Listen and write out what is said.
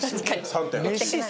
３．８。